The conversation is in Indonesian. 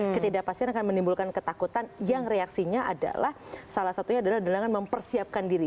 ketidakpastian akan menimbulkan ketakutan yang reaksinya adalah salah satunya adalah dengan mempersiapkan diri